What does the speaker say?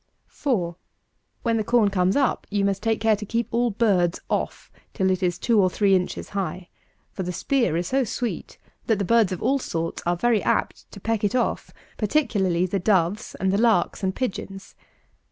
4. When the corn comes up, you must take care to keep all birds off till it is two or three inches high; for the spear is so sweet, that the birds of all sorts are very apt to peck it off, particularly the doves and the larks and pigeons.